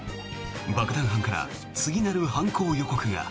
爆弾犯から次なる犯行予告が。